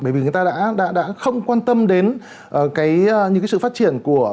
bởi vì người ta đã không quan tâm đến những sự phát triển của